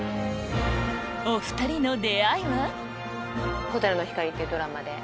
お２人の出会いは？